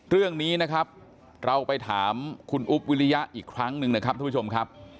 เรื่องนี้นะครับเราไปถามคุณอุ๊บวิริยะอีกครั้งหนึ่งนะครับทุกผู้ชมครับ